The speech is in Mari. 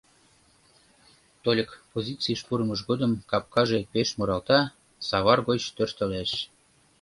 — Тольык позицийыш пурымыж годым капкаже пеш муралта, савар гоч тӧрштылеш.